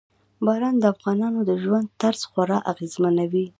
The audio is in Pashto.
باران د افغانانو د ژوند طرز خورا اغېزمنوي.